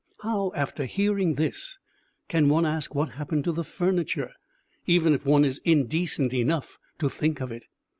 How, after hearing this, can one ask what happened to the furniture, even if one is indecent enough to think of it?